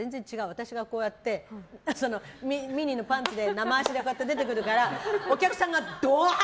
私がミニのパンツで生脚で出てくるからお客さんがどわー！